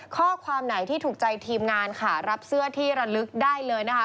ข้อความไหนที่ถูกใจทีมงานค่ะรับเสื้อที่ระลึกได้เลยนะคะ